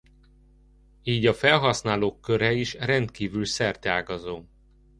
Így a felhasználók köre is rendkívül szerteágazó.